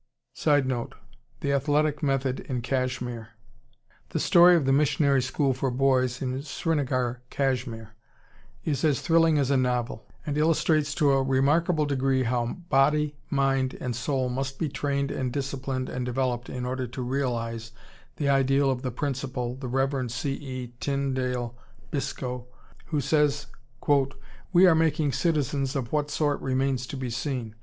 [Sidenote: "The athletic method in Kashmir."] The story of the Missionary School for Boys in Srinagar, Kashmir, is as thrilling as a novel, and illustrates to a remarkable degree how body, mind, and soul must be trained and disciplined and developed in order to realize the ideal of the Principal, the Rev. C. E. Tyndale Biscoe, who says, "We are making citizens, of what sort remains to be seen.